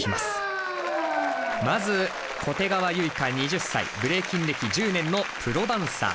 まず小手川結翔２０歳ブレイキン歴１０年のプロダンサー。